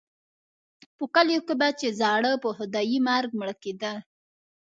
په کلیو کې به چې زاړه په خدایي مرګ مړه کېدل.